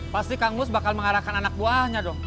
pasti kang mus bakal mengarahkan anak buahnya dong